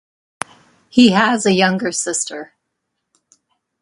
He has a younger sister.